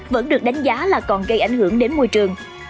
vẫn được đánh giá là còn gây ảnh hưởng đến môi trường